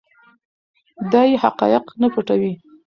دی حقایق نه پټوي.